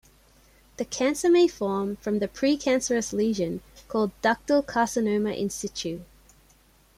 The cancer may form from the precancerous lesion called ductal carcinoma in situ.